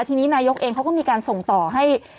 ทีนี้นายกเองเขาก็มีการส่งต่อให้